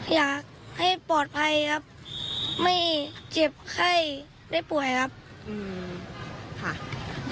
อยากให้ปลอดภัยครับไม่เจ็บไข้ได้ป่วยครับอืมค่ะ